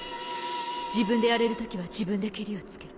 自分でやれる時は自分でケリをつける。